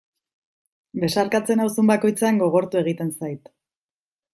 Besarkatzen nauzun bakoitzean gogortu egiten zait.